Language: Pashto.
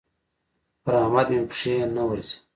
پر احمد مې پښې نه ورځي.